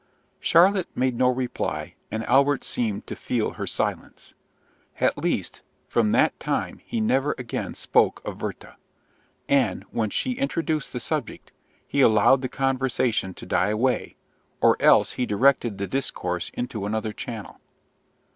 Charlotte made no reply, and Albert seemed to feel her silence. At least, from that time he never again spoke of Werther; and, when she introduced the subject, he allowed the conversation to die away, or else he directed the discourse into another channel.